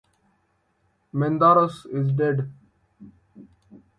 Mindarus is dead.